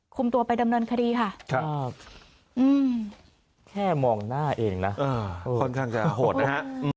ตัวไปดำเนินคดีค่ะครับแค่มองหน้าเองนะค่อนข้างจะโหดนะฮะ